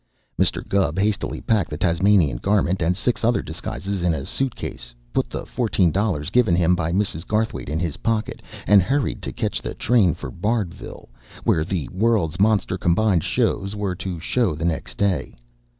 Mr. Gubb hastily packed the Tasmanian garment and six other disguises in a suitcase, put the fourteen dollars given him by Mrs. Garthwaite in his pocket, and hurried to catch the train for Bardville, where the World's Monster Combined Shows were to show the next day.